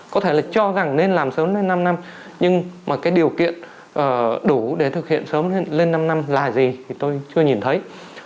có thể là cho rằng nên làm sớm đến năm năm nhưng mà cái điều kiện đủ để thực hiện sớm lên năm năm là gì thì tôi chưa nhìn thấy